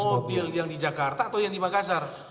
mobil yang di jakarta atau yang di makassar